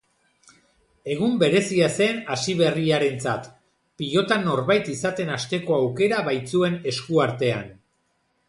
Egun berezia zen hasiberriarentzat, pilotan norbait izaten hasteko aukera baitzuen esku artean.